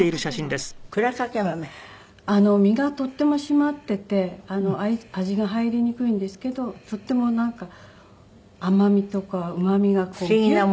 身がとっても締まっていて味が入りにくいんですけどとても甘みとかうまみがギュッと詰まった。